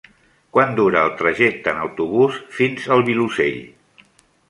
Quant dura el trajecte en autobús fins al Vilosell?